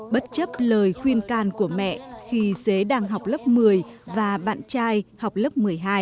bất chấp lời khuyên can của mẹ khi xế đang học lớp một mươi và bạn trai học lớp một mươi hai